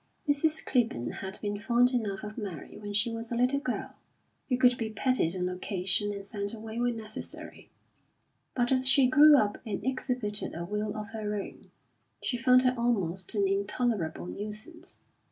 Mrs. Clibborn had been fond enough of Mary when she was a little girl, who could be petted on occasion and sent away when necessary; but as she grew up and exhibited a will of her own, she found her almost an intolerable nuisance.